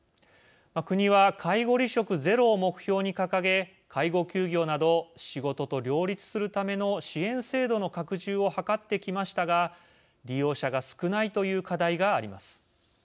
国は介護離職ゼロを目標に掲げ介護休業など仕事と両立するための支援制度の拡充を図ってきましたが利用者が少ないという課題があります。